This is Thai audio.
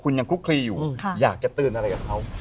คุณยังคลุกคลีอยู่อย่ายะแก่ตือดอะไรกันครับ